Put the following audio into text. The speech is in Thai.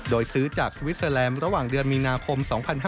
โดยซื้อจากสวิสเตอร์แลมระหว่างเดือนมีนาคม๒๕๕๙